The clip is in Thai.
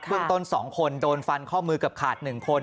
พื้นต้น๒คนโดนฟันข้อมือกับขาด๑คน